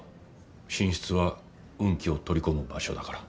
寝室は運気を取り込む場所だから。